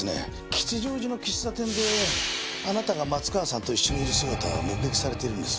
吉祥寺の喫茶店であなたが松川さんと一緒にいる姿が目撃されているんです。